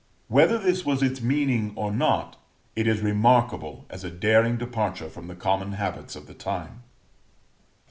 Whether this was its meaning or not, it is remarkable as a daring departure from the common habits of the time.